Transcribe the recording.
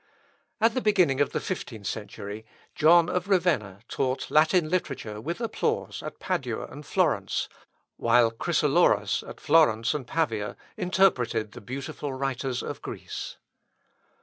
At the beginning of the fifteenth century, John of Ravenna taught Latin literature with applause at Padua and Florence, while Chrysoloras, at Florence and Pavia, interpreted the beautiful writers of Greece.